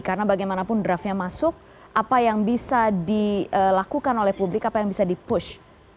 karena bagaimanapun draftnya masuk apa yang bisa dilakukan oleh publik apa yang bisa dipush